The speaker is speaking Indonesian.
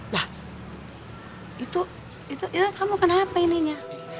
lah itu itu kamu kenapa ini nya